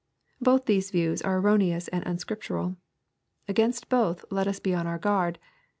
Both these views are erroneous and unscrip tural. Against both let us be on our guard.